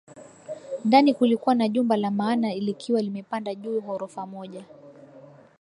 Ndani kulikuwa na jumba la maana likiwa limepanda juu ghorofa moja